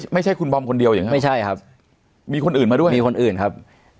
ไม่ใช่คุณบอมคนเดียวอย่างนี้ไม่ใช่ครับมีคนอื่นมาด้วยมีคนอื่นครับ